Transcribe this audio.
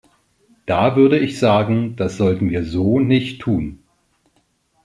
Da würde ich sagen, das sollten wir so nicht tun.